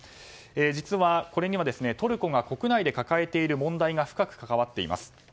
実は、これにはトルコが国内で抱えている問題が深く関わっています。